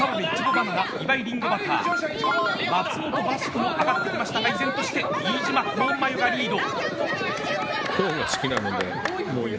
バナナ岩井林檎バター、松本バスクも上がってきましたが依然として飯島コーンマヨがリード。